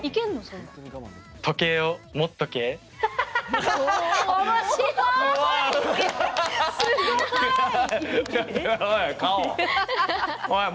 時計を、もっとけい。